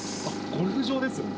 ゴルフ場ですよね。